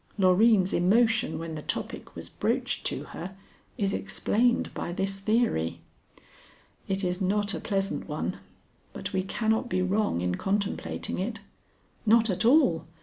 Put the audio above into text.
Loreen's emotion when the topic was broached to her is explained by this theory." "It is not a pleasant one, but we cannot be wrong in contemplating it." "Not at all.